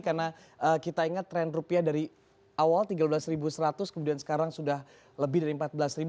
karena kita ingat tren rupiah dari awal tiga belas seratus kemudian sekarang sudah lebih dari empat belas